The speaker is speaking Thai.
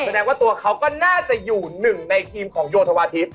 แสดงว่าตัวเขาก็น่าจะอยู่หนึ่งในทีมของโยธวาทิพย